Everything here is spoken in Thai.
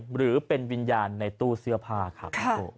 หรือเป็นวิญญาณในตู้เสื้อผ้าครับ